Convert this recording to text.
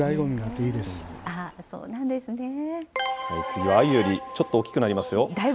次は、あゆよりちょっと大きくなりますよ。